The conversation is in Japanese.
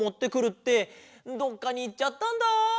ってどっかにいっちゃったんだ。